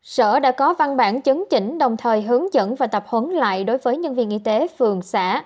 sở đã có văn bản chấn chỉnh đồng thời hướng dẫn và tập huấn lại đối với nhân viên y tế phường xã